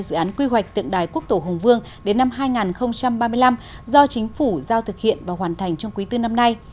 dự án quy hoạch tượng đài quốc tổ hùng vương đến năm hai nghìn ba mươi năm do chính phủ giao thực hiện và hoàn thành trong quý bốn năm nay